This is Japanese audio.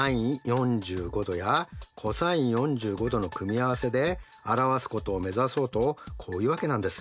４５°やｃｏｓ４５°の組み合わせで表すことを目指そうとこういうわけなんです。